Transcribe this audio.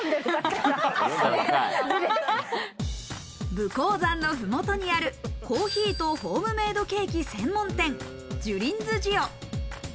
武甲山のふもとにある、コーヒーとホームメイドケーキ専門店・ジュリンズジオ。